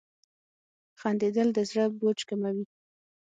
• خندېدل د زړه بوج کموي.